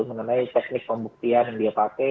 mengenai teknik pembuktian yang dia pakai